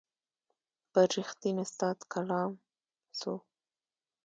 پر رښتین استاد کلام سو